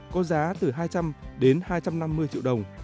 có giá từ hai trăm linh đến hai trăm năm mươi triệu đồng